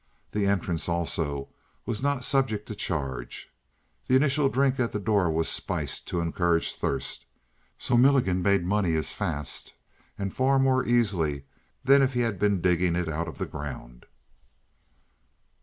The entrance, also, was not subject to charge. The initial drink at the door was spiced to encourage thirst, so Milligan made money as fast, and far more easily, than if he had been digging it out of the ground.